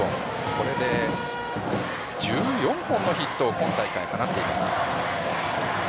これで１４本のヒットを今大会、放っています。